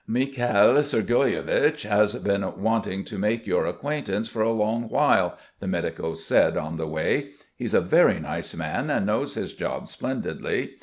"Mikhail Sergueyich has been wanting to make your acquaintance for a long while," the medico said on the way. "He's a very nice man, and knows his job splendidly.